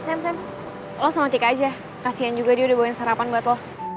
sam sam lo sama tika aja kasian juga dia udah bawain sarapan buat lo